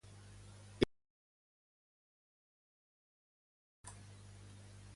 És conegut per la població?